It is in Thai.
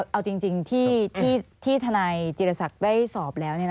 เอาจริงที่ทนายจีรศักดิ์ได้สอบแล้ว